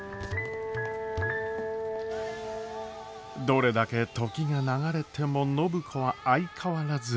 どれだけ時が流れても暢子は相変わらず。